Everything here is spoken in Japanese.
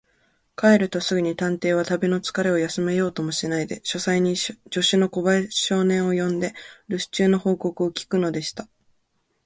帰るとすぐ、探偵は旅のつかれを休めようともしないで、書斎に助手の小林少年を呼んで、るす中の報告を聞くのでした。